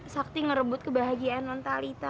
sakti ngerebut kebahagiaan mentalita